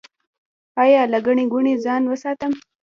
ایا له ګڼې ګوڼې ځان وساتم؟